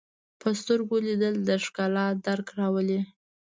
په سترګو لیدل د ښکلا درک راولي